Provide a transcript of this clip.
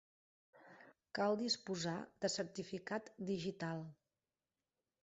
Cal disposar de certificat digital.